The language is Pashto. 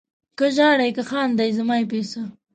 که ژاړې که خاندې زما یې په څه؟